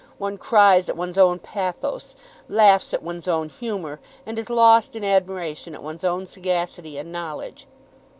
One cries at one's own pathos, laughs at one's own humour, and is lost in admiration at one's own sagacity and knowledge."